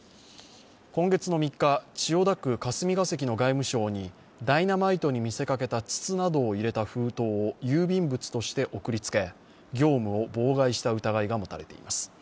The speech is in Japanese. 今月の３日、千代田区霞が関の外務省にダイナマイトに見せかけた筒などを入れた封筒を郵便物として送りつけ、業務を妨害した疑いが持たれています。